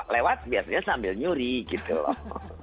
lewat biasanya sambil nyuri gitu loh